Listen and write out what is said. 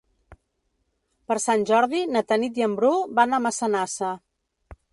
Per Sant Jordi na Tanit i en Bru van a Massanassa.